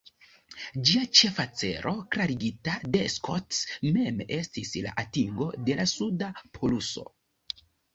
Ĝia ĉefa celo, klarigita de Scott mem, estis la atingo de la suda poluso.